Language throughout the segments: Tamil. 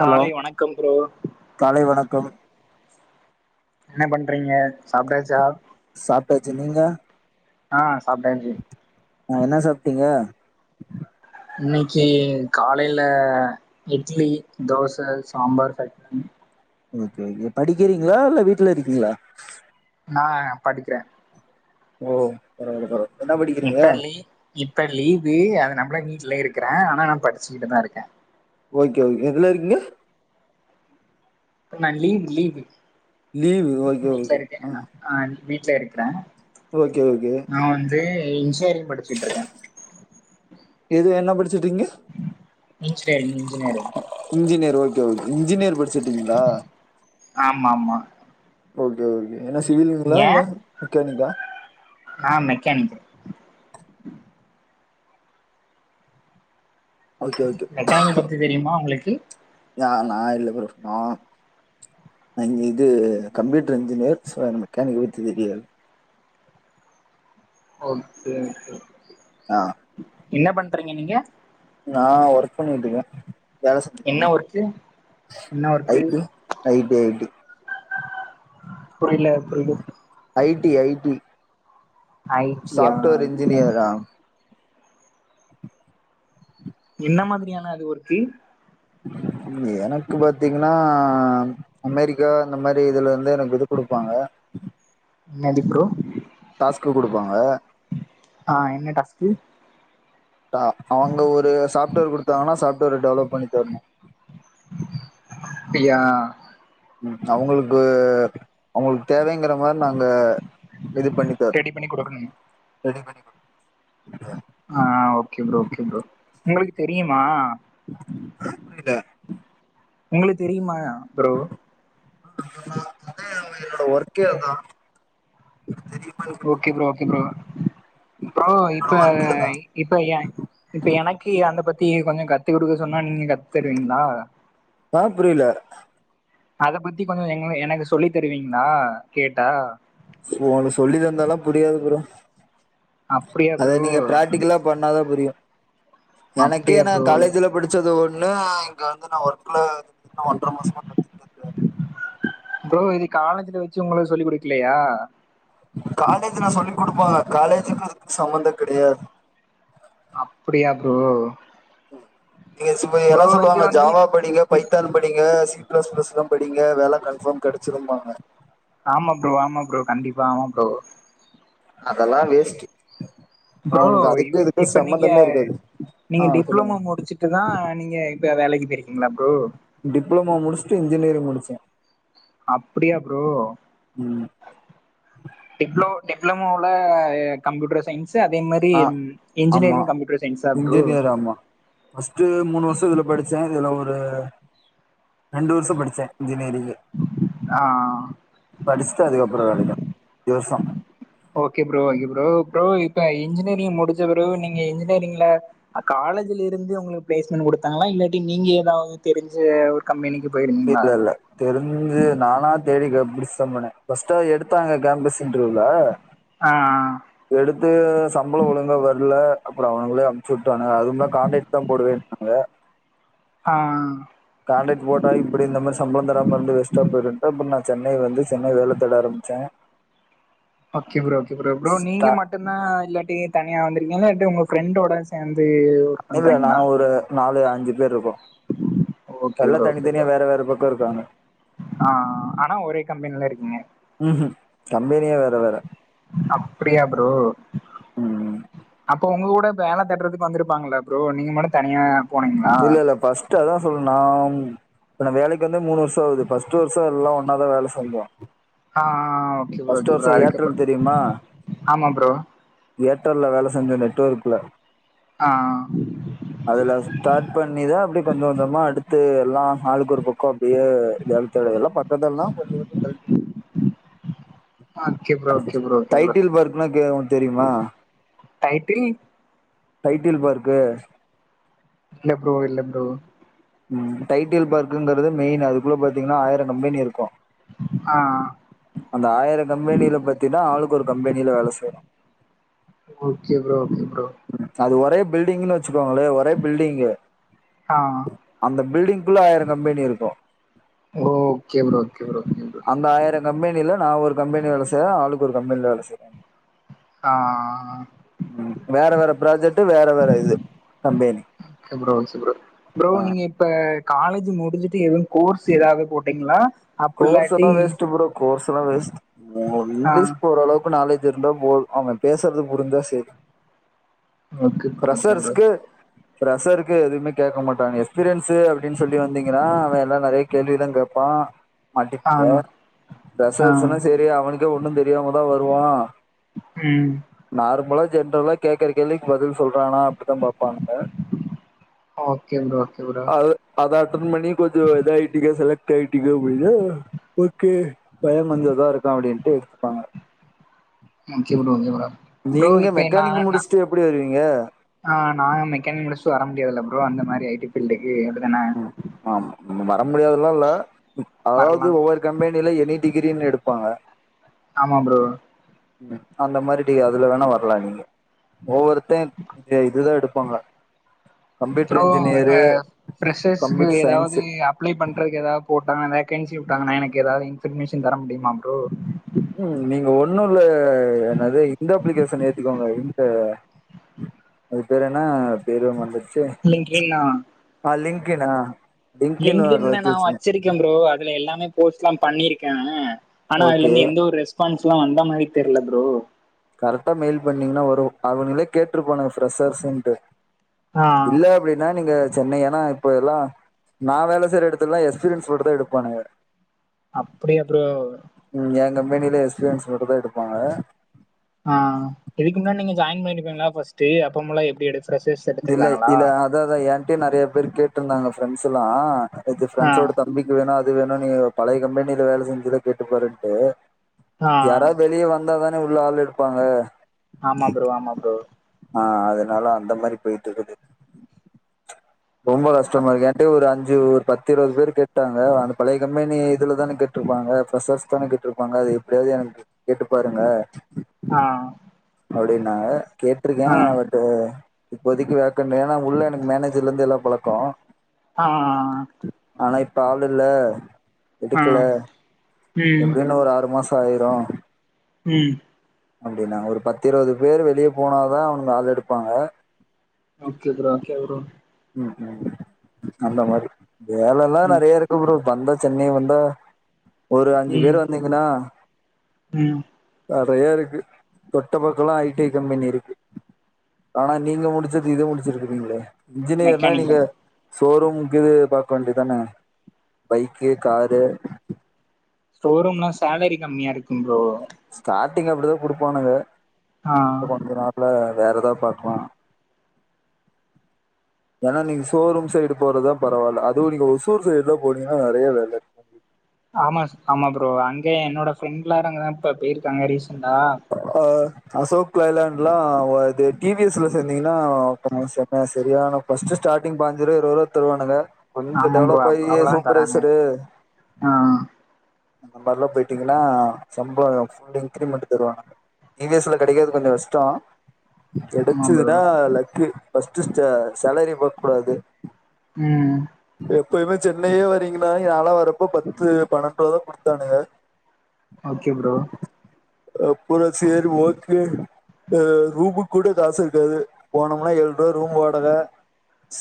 ஹலோ வணக்கம் ப்ரோ காலை வணக்கம் என்ன பண்றீங்க சாப்ட்டாச்சா சாப்ட்டாச்சு நீங்க ஆ சாப்ட்டாச்சு அ என்ன சாப்பிட்டீங்க இன்னைக்கு காலையில இட்லி தோசை சாம்பார் சட்னி ஓகே ஓகே படிக்கிறீங்களா இல்ல வீட்ல இருக்கீங்களா நா படிக்கிறேன் ஓ பரவால பர இப்ப லீ இப்ப லீவு அதுனா இப்ப எல்லாம் வீட்லயே இருக்கேன் ஆனா நா படிச்சிட்டுதான் இருக்கேன் ஓகே ஓகே எதுல இருக்கீங்க நா லீவு லீவு் லீவு ஓகே வீட்ல ஓகே இருக்கேன் ஆ வீட்ல இருக்குறேன் ஓகே ஓகே இன்ஜினேரிங் படிச்சுட்டு இருக்கேன் எது என்ன படிச்சிட்ருக்கீங்க engineering மின்ஜினிரிங் engineer okay okay engineer படிச்சிட்டு இருக்கீங்களா மா மா ஓகே ஓகே என்ன சிவில் [unintelligible] லிங்களா இல்ல மொக்கானிக்கா நா மெக்கானிக் ஓகே ஓகே ரெட்டேங்கில் பத்தி தெரியுமா உங்களுக்கு நா நா இல்ல ப்ரோ நா ந இது கம்ப்யூட்டர் இன்ஜினேயர் சோ மெக்கானிக்க பத்தி தெரியாது ஓகே ஓகே ஆ என்ன பண்றீங்க நீங்க நான் ஒர்க் பண்ணிட்டு இருக்கேன் வேலை செஞ்சிட்டு என்ன இருக்கேன் ஒர்க்கு என்ன I work T I T I T புரியல புரியல IT IT I T yeah software I T yeah இன்ஜினியராரா என்ன மாதிரியான அது ஒருக்கு எனக்கு பாத்தீங்கன்னா அமெரிக்கா இந்த மாதிரி இதுல இருந்து எனக்கு இது கொடுப்பாங்க என்னது இப்பறோ டாஸ்க்கு கொடுப்பாங்க ம் டா அவுங்க ஒரு சாஃப்ட்வேர் குடுத்தாங்கனா சாஃப்ட்வேர டெவலப் பண்ணித் தர்ணு பியா ம் அவுங்குளுக்கு அவுங்குளுக்கு தேவைங்கிற மார் நாங்க இது பண்ணி தர ரெடி பண்ணி குடுக்கணுங் ரெடி பண்ணி குடு [unintelligible] ஆ ஓகே ப்ரோ ஓகே ப்ரோ உங்ளுக்கு தெரியுமா புரியல உங்ளுக் தெரியுமா ப்ரோ ஆ நா அதே என்னோட ஒர்க்கே அதா okay bro okay bro bro இப்ப இப்ப ஏ இப்ப எனக்கு அந்த பத் த்தி கொஞ்ச கத்து குடுக்க சொன்னா நீங்க கத் தருவீங்ளா ஆ புரியல அத பத்தி கொஞ்ச எங்கன எனக்கு சொல்லித் தருவீங்ளா கேட்டா ஃபோனு சொல்லிதந்தாலா புரியாது ப்ரோ அப்டியா அத நீங்க ப்ரோ பிராக்டிகலா பண்ணாதா புரியு எனக்கே அப்டியா நா ப்ரோ காலேஜ்ல படிச்சது ஒன்னு ஆ இங்க வந்து நா ஒர்க்ல இது இன்ன ஒன்ற மாசமா கத்துக்கிட்ருக்காரு ப்ரோ இது காலேஜ்ல வச்சு ஒங்களுக்கு சொல்லி் குடுக்கலையா காலேஜ்ல சொல்லி் குடுப்பாங்க காலேஜுக்கு இதுக்கு சம்பந்த கெடையாது அப்டியா ப்ரோ ம் நீங்க சுபை ப்ரோ எல்லா இது சொல்லுவாங்க வந்து ஜாவா படிங்க இப் பைத்தான் படிங்க சி பிளஸ் பிளஸ்லா படிங்க வேல கன்பாஃம் கெடச்சிரும்பாங்க ஆமா ப்ரோ ஆமா ப்ரோ கண்டிப்பா ஆமா ப்ரோ அதலா வேஸ்ட்டு ப்ரோ இவ் இப்ப நீங்க இருக்காது ஆ நீங்க சொல்லுங்க டிப்ளமோ முடிச்சுட்டுதா நீங்க இப்ப வேலைக்கு போயிருக்கிங்ளா ப்ரோ டிப்ளமோ முடிஸ்ட்டு இன்ஜினேரிங் முடிச்ச அப்டியா ப்ரோ டிப்ள டிப்ளமோல கம்ப்யூட்டர் சயின்ஸ் து அதே மாதிரி ஆ ம் ஆமா இன்ஜினேரிங் கம்ப்யூட்டர் சயின்ஸா ப்ரோ ஃபஸ்டு மூனு வருஷ இதுல படிச்சே இதுல ஒரு ரெண்டு வருஷ படிச்சே இன்ஜினேரிங் கு ஆ படிஸ்ட்டு அதுக்கப்புற வேலைக்கு இ வர்ஷ okay bro okay bro bro இப் இப்ப இன்ஜினியரிங் முடிச்ச பிறவு நீங்க இன்ஜினேரி்ங்ல காலேஜ்ல இருந்து உங்களுக்கு பிளேஸ்மெண்ட் குடுத்தாங்களா இல்லாட்டி நீங்க ஏதாவ தெரிஞ்ச ஒரு கம்பெனிக்கு போயிருந்தீங்களா இல்ல இல்ல தெரிஞ்சு நானா தேடி கப்டிஸ் சம்பன ஃபர்ஸ்டா எடுத்தாங்க கேம்பஸ் இன்ட்ரீவ்ல ஆ எடுத்து சம்பள ஒழுங்கா வர்ல அப்ற அவுனுங்களே அம்ச்சுட்டானுங்க அதும்லா காண்டேட்தா போடுவேன்னாங்க ஆ கான்ட்ராக்ட் போட்டா இப்டி இந்த மேரி சம்பளந் தராம இருந்து வெஸ்டா போயிருன்ட்டு அப்ற நா சென்னை வந்து சென்னை வேல தேட ஆரம்ச்சே okay bro okay bro bro நீங்க மட்டுந்தா இல்லாட்டி தனியா வந்து இங்கலட்டு உங்க ஃப்ரெண்டோட சேந்து இல்ல நா ஒரு நாலு அஞ்சு பேர்ருக்கோ ஓகே எல்லா ப்ரோ ஓகே தனித்தனியா ப்ரோ வேற வேற பக்க இருக்காங்க ஆ ஆனா ஒரே கம்பெனில இருக்கீங்க இந்த ஏரியா வேற வேற அப்டியா ப்ரோ ம் அப்போ உங்க கூட வேல தேட்றதுக்கு வந்திருப்பாங்கல்ல ப்ரோ நீங்க மட்டு தனியா போனீங்களா இல்ல இல்ல ஃபஸ்ட்டு அதா சொல் நா உம் இப்ப நா வேலைக்கு வந்து மூனு வருஷ ஆவுது ஃபஸ்ட்டு வருஷ எல்லா ஒன்னாதா வேல செஞ்சோ அ அ okay bro first okay bro வருஷம் அதுக்கப்புறோ ஏர்டெல் தெரியுமா ஆமா ப்ரோ ஏர்டெல்ல வேல செஞ்ச நெட் ஒர்க்ல அ அ ஸ்டார்ட் பண்ணிதா அப்டியே கொஞ்ச கொஞ்சமா அடு த்து எல்லா ஆளுக்கு ஒரு பக்கோ அப்பிடியே [unintelligible] okay bro okay bro okay bro title பார்க்குன்னா கே உனக் தெரியுமா டைட்டில் டைட்டில் பார்க்கு இல்ல ப்ரோ இல்ல ப்ரோ ம் டைட்டில் பார்க்குங்கிறது மெயின் அதுக்குள்ள பாத்தீங்கன்னா ஆயிரோ கம்பேனி இருக்கு அ அ அந்த ஆயிரோ கம்பேனில பத்தினா ஆளுக்கொரு கம்பேனில வேல செய்யறோ ஓகே ப்ரோ ப்ரோ அது ஒரே பில்டிங்ன்னு வெச்சுக்கோங்களே ஒரே பில்டிங்கு ஆ அந்த பில்டிங்க்குள்ள ஆயிரோ கம்பேனி இருக்கு ஓகே ப்ரோ ஓகே ப்ரோ கம்பெனில நா ஒரு கம்பெனி வேல செய்ற ஆளுக்கு ஒரு கம்பெனியில வேல செய்றா அ அ அ ம் வேற வேற ப்ராஜெக்ட்டு வேற வேற இது கம்பேனி ஓகே ப்ரோ ப்ரோ நீங்க இப்ப காலேஜ் முடிஞ்சுட்டு எது கோர்ஸ் எதாவ்து போட்டீங்ளா கோர்ஸ் எல்லா வேஸ்ட் ப்ரோ கோர்ஸ் எல்லா வேஸ்ட் ஆ இங்கிலீஷ் ஓரளவுக்கு நாலேஜ் இருந்தா போது அவங்க பேசுறது புரிஞ்சா சேரி ஓகே ப்ரோ ஓகே ப்ரோ பிரெஷ்ஷருக்கு எதுவுமே கேக்கமாட்டாங்க எக்ஸ்பீரியன்ஸ்சு அப்டின்னு சொல்லி வந்தீங்கன்னா அவ எல்லா நெறைய கேள்விதா கேப்பா அ ஆ மாட்டிப்பிங்க ஆ ஃபிரெஷ்ஷர் சென்னா செரி அவனுக்கே ஒன்னு தெரியாம தா வருவா ம் நார்மலா ஜென்ரலா கேக்கற கேள்விக்கு பதில் சொல்றானா அப்பிடிதா பாப்பாங்க ஓகே ப்ரோ ஓகே ப்ரோ அது அதா [unintelligible] கொஞ்சோ இது ஐ டி க்கு செலக்ட் ஐ டி கம்பனினா ஓகே பயோ கொஞ்சதா இருக்க அப்டின்ட்டு எடுத்துப்பாங்க okay bro okay bro bro நீங்க இப்ப என்ன மெக்கானிக் நா முடிச்சுட்டு எப்டி வருவீங்க அ நாங்க மெக்கானிக் முடுச்சுட்டு வர முடியாதுல்ல ப்ரோ ப்ரோ அந்த மாரி ஐ டி பீல்டுக்கு அப்பிடிதான ம் ஆமா வர முடியாதுனு இல்ல அதாவது வரலாம் ஒவ்வொரு கம்பேனில எனி டிகிரி னு எடுப்பாங்க ஆமா ப்ரோ அந்த மாரி அதுல வேணா வரலா நீங்க ஒவ்வொரு தே இதுதா எடுப்பாங்க கம்ப்யூட்டர் ப்ரோ இப்ப இன்ஜினியரு பிரஷ்ஷர்ஸ்சுக்கு கம்ப்யூட்டர் ஏதாவது சயின்ஸு அப்ளோ பண்றது எதாவது போட் எதனா வேகன்சி விட்டாங்கனா எனக்கு எதாவது இன்பர்மேஷன் தர முடியுமா ப்ரோ ம் நீங்க ஒண்ணு இல்ல என்னது இந்த அப்ளிகேஷன் ஏத்திக்கோங்க இந்த அது பேரு என்னா பேரு வரமாடினுது லிங்க்டின்னா அ லிங்கின்னு லிங்க்லின்னு நா வெச்சிருக்கே ப்ரோ அதுல எல்லாமே போஸ்ட் எல்லா பண்ணிருக்கே ஆனா அதுல ஓகே இருந்து எந்த ஒரு ரெஸ்பான்ஸ்ல்லா வந்த மாரி தெரில ப்ரோ கரெக்டா மெயில் பண்ணீங்கன்னா வரு அவனுகளே கேட்டுருப்பாங்க ஃப்ரெஸ்சரன்ட்டு ஆ இல்ல அப்டின்னா நீங்க சென்னை ஆனா இப்ப எல்லா நா வேல செய்யற எடத்தலால எக்ஸ்பீரியன்ஸ் மட்டுதா எடுப்பானுக அப்பிடியா ப்ரோ னேலே எக்ஸ்பீரியன்ஸ் மட்டு தா எடுப்பாங்க ஆஹ் இதுக்கு முன்னா நீ ஜாயின் பண்ணிருப்பீங்களா ஃபர்ஸ்ட்டு அப்போமெல்ல எப்டி எடுப் இல்ல இல்ல அதா ஏன்டியே நெறைய பேர் கேட்டிருந்தாங்க ஃப்ரெண்ட்ஸ் எல்லா நேத்து ஆ ஃப்ரெண்ட்ஸோட தம்பிக்கு வேணு அது வேணும் நீ பழைய கம்பெனில வேல செஞ்சல கேட்டுப்பாருன்ட்டு ஆ யாராது வெளியே வந்தாதான உள்ள ஆள் எடுப்பாங்க ஆமா ப்ரோ ஆமா ப்ரோ ஆஹ் அதனால அந்த மாரி போயிட்டு இருக்குது ரொம்ப ஆ கஷ்டமா இருக்கு என்டே ஒரு அஞ்சு ஒரு பத்து இருவது பேர் கேட்டாங்க அந்த பழைய கம்பெனி இதுல தான கேட்ருப்பாங்க பசஸ்தான கேட்டுருப்பாங்க எப்டியாவது எனக்கு கேட்டு பாருங்க ஆ அப்டின்னாங்க கேட்டிருக்க பட்டு இப்போதைக்கு வேக்கன் ஏன்னா உள்ள எனக்கு மேனேஜர்ல இருந்து எல்லா பழக்கோ ஆஹ் ஆனா இப்ப ஆள் இல்ல ஆ எடுக்கல எப்டியு இன்னு ஒரு ஆறு மாசோ ஆயிரு உம் அப்டினாங்க ஒரு பத்து இருவது பேர் வெளிய போனாதா அவனுங்க ஆள் எடுப்பாங்க ஓகே ப்ரோ ஓகே ப்ரோ அந்த மாரி வேல எல்லா ம் நெறைய இருக்க ப்ரோ வந்தா சென்னை வந்தா ஒரு அஞ்சு பேர் வந்தீங்கன்னா உம் நெறைய இருக்கு தொட்ட பக்கம்லா ஐடி கம்பெனி இருக்கு ஆனா நீங்க முடிச்சது இது முடிச்சிருக்குறீங்களே இன்ஜினியர்னா நீங்க மெக்கானிக்கல் ஷோரூம் கிது பாக்க வேண்டிதான பைக்கு காரு ஷோரூம்லா சாலரி கம்மியா இருக்கும் ப்ரோ ஸ்டார்டிங் அப்டிதா குடுப்பானுங்க ஆ கொஞ்ச நாள்ல வேற எதா பாக்லா ஏன்னா நீங்க ஷோரூம் சைடு போறதா பரவால்ல அதுவு நீங்க ஒசூர் சைடுலா போனீங்கன்னா நெறைய வேல இருக் [unintelligible] ஆமா ஆமா ப்ரோ அங்க என்னோட ஃப்ரெண்ட் எல்லாரு அங்கதா இப்ப போயிருக்காங்க ரீசன்டா ஆ அசோக் லைலாண்ட்லா இது டி வி எஸ் ல சேந்தீங்கன்னா ப்ரமோஷன் [unintelligible] சரியான ஃபர்ஸ்ட் ஸ்டாடிங் பாஞ்சிருவா இருவதுருவா தருவானுங்க கொஞ்ச ஆமா ப்ரோ டெவலப் அப் ஆயி அவ்ளதா தராங்க சூப்பர்வைசரு ஆ அந்த மாரிலா போயிட்டீங்கன்னா சம்பளோ ஃபுல் இன்கிரீமெண்ட் தருவாங்க டி வி எஸ் ல கெடைக்கறது கொஞ்சோ கஷ்டோ ஆமா ப்ரோ கெடச்சதுடா லக்கு ஃபஸ்ட் சாலரி பாக் கூடாது உம் எப்பயுமே சென்னையே வரீங்கன்னா யாலா வரப்போ பத்து பன்னெண்டுதா குடுத்தானுங்க ஓகே ப்ரோ அப்புறோ சேரி ஓகே ரூமுக்கு கூட காசு இருக்காது போனோம்னா ஏழு ரூவா ரூம் வாடக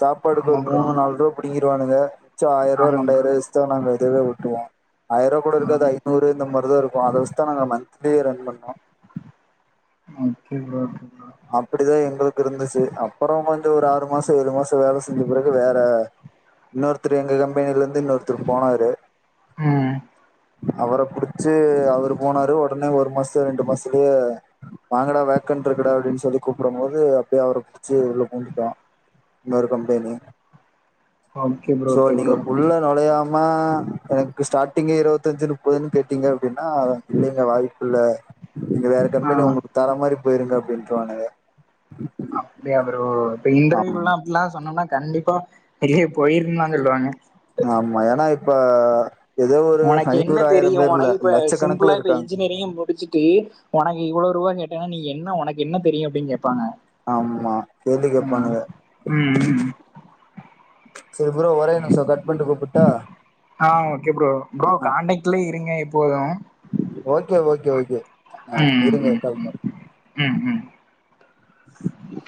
சாப்பாடுக்கு ஆமா ஒரு ப்ரோ மூணு நால் ருவா புடிங்கிருவானுங்க மிச்சோ ஆயிருவா ஆமா ப்ரோ ரெண்டாயிருபா எக்ஸ்ட்ரா நாங்க ஓட்டுவோ ஆயிர ருவா கூட ஆ இருக்காது ஐநூறு இந்த மாரி தா இருக்கு அத வச்தா நாங்க மந்த் அப்டே ரன் பண்ணோ ஓகே ப்ரோ ஓகே ப்ரோ அப்டிதா எங்களுக்கு இருந்துச்சு அப்பறோ கொஞ்சோ ஒரு ஆறு மாசோ ஏழு மாசோ வேல செஞ்ச பிறகு வேற இன்னொருத்தர் எங்க கம்பெனில இருந்து இன்னொருத்தர் போனாரு ம் அவர புடிச்சு அவரு போனாரு ஒடனே ஒரு மாசத்து ரெண்டு மாசத்துலயே வாங்கடா வேக்கண்ட் இருக்குடா அப்டின்னு சொல்லி கூப்ட போது அப்பயே அவர புடிச்சி உள்ள பூந்தூட்டோ இன்னொரு company okay bro so okay நீங்க ப்ரோ உள்ள நொழையாம மா எனக்கு ஸ்டார்ட்டிங்கே இருபத்தஞ்சு முப்பதுன்னு கேட்டீங்க அப்டின்னா சென்னைல வாய்ப்பில்ல நீங்க வேற ஆ கம்பெனி உங்களுக்கு தர மாரி போயிருங்க அப்டின்ட்டுருவாங்க அப்டியா ப்ரோ இப்ப இன்டர்வியூல்லாம் அப்படிலா சொன்னோனா கண்டிப்பா வெளிய போயிருன்னு தா சொல்லுவாங்க ஆமா ஏன்னா இப்ப ஏதோ ஒரு ஒனக்கு என்ன ஐநூறு ஆயிரம் தெரியு பேர் இல்ல ஒனக்கு இப்ப சிம்பிளா லட்சக்கணக்குல இப்ப இருக்காங்க இன்ஜினியரி முடிச்சுட்டு ஒனக்கு இவ்வளோ ரூவா நீ என்ன நீ என்ன உனக்கு என்ன தெரியு அப்படிங் கேப் பாங்க ஆமா கேள்வி ஆ கேப்பானுங்க ம்ம் சரி ப்ரோ ஒரே நிமிஷம் கட் பண்ணிட்டு கூப்பிட்டா ஆ ஓகே ப்ரோ ப்ரோ காண்டக்ட்லயே இருங்க போது ஓகே ஓகே ஓகே ஆ ம் ம் இருங்க கால் பண் ம் ம் ம் ம்